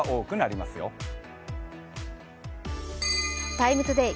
「ＴＩＭＥ，ＴＯＤＡＹ」